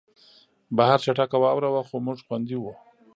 بهر چټکه واوره وه خو موږ خوندي وو